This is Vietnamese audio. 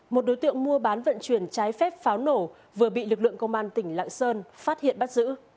một đối tượng mua bán vận chuyển trái phép pháo nổ vừa bị lực lượng công an tỉnh lạng sơn phát hiện bắt giữ